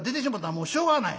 もうしょうがない。